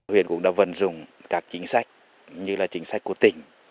huyện cũng đã vận dụng các chính sách như là chính sách của tỉnh